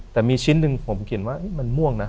แต่มีชิ้นหนึ่งผมเขียนว่ามันม่วงนะ